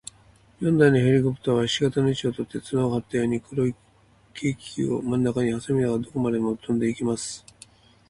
四台のヘリコプターは、ひし形の位置をとって、綱をはったように、黒い軽気球をまんなかにはさみながら、どこまでもどこまでもとんでいきます。